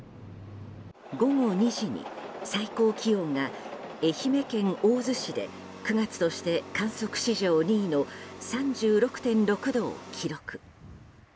午後２時に、最高気温が愛媛県大洲市で９月として観測史上２位の３６．６度を記録。